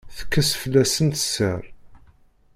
Tekkes fell-asent sser.